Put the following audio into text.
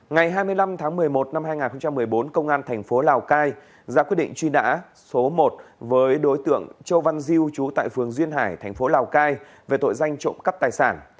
ngày hai mươi năm tháng một mươi một năm hai nghìn một mươi bốn công an thành phố lào cai ra quyết định truy nã số một với đối tượng châu văn diêu chú tại phường duyên hải thành phố lào cai về tội danh trộm cắp tài sản